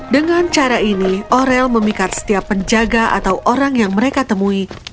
dengan cara ini orel memikat setiap penjaga atau orang yang mereka temui